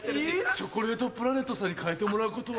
チョコレートプラネットさんに換えてもらうことは？